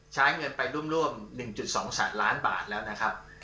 ใช้เงินไปร่วม๑๒แสนล้านบาทแล้วนะครับ